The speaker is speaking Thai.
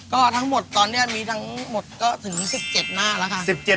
ก็ทั้งหมดตอนนี้มีทั้งหมดก็ถึง๑๗หน้าแล้วค่ะ